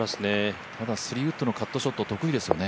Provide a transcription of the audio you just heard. ただ３ウッドのカットショット、得意ですよね。